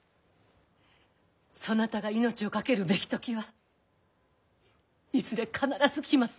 そなたが命を懸けるべき時はいずれ必ず来ます。